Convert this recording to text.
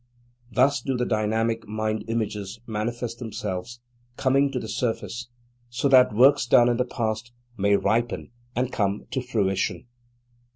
Thus do the dynamic mind images manifest themselves, coming to the surface, so that works done in the past may ripen and come to fruition.